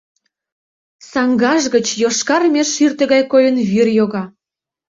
Саҥгаж гыч, йошкар меж шӱртӧ гай койын, вӱр йога.